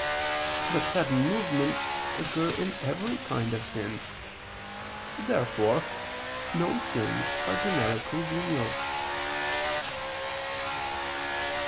But sudden movements occur in every kind of sin. Therefore no sins are generically venial.